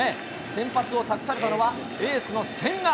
先発を託されたのは、エースの千賀。